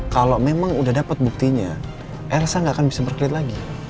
kalau memang udah dapat buktinya elsa nggak akan bisa berkelit lagi